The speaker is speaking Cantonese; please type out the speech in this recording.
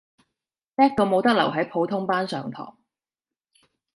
叻到冇得留喺普通班上堂